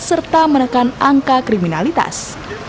serta menekan angka kriminalitas